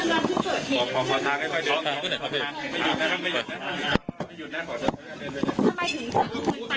โทษค่ะ